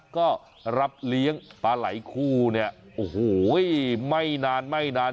ก็รับเลี้ยงปลาไหล่คู่เนี่ยโอ้โหไม่นานไม่นาน